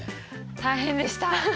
大変でした。